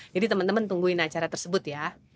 jadi teman teman tungguin acara tersebut ya